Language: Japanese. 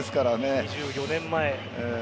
２４年前。